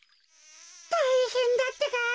たいへんだってか。